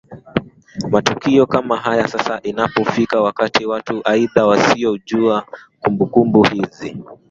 Matukio kama haya hasa inapofika wakati wa watu aidha wasiojua kumbukumbu hizi